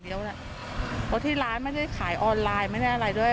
เพราะที่ร้านไม่ได้ขายออนไลน์ไม่ได้อะไรด้วย